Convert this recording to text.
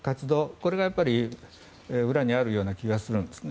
これが裏にあるような気がするんですね。